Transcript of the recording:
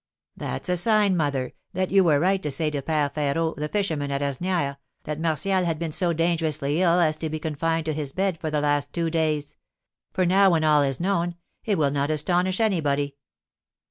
"That's a sign, mother, that you were right to say to Père Férot, the fisherman at Asnières, that Martial had been so dangerously ill as to be confined to his bed for the last two days; for now, when all is known, it will not astonish anybody."